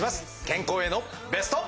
健康へのベスト。